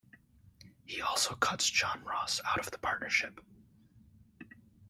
He also cuts John Ross out of the partnership.